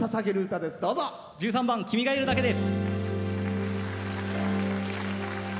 １３番「君がいるだけで」。